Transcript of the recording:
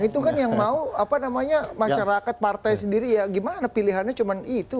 itu kan yang mau apa namanya masyarakat partai sendiri ya gimana pilihannya cuma itu